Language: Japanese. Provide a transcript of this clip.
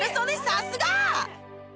さすが！